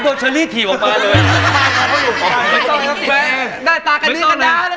ตาการนี้กันได้ก็นะ